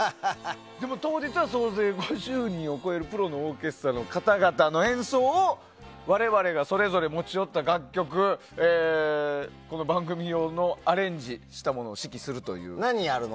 でも、当日は総勢５０人を超えるプロのオーケストラの方々の演奏を、我々がそれぞれ持ち寄った楽曲この番組用のアレンジしたものを何やるの？